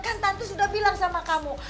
kan tante sudah bilang sama kamu